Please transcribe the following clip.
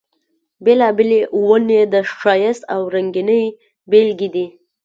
بېلابېلې ونې یې د ښایست او رنګینۍ بېلګې دي.